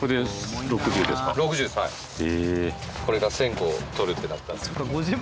これが１０００個採るってなったら。